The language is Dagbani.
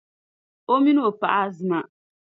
O mini O paɣa Azima.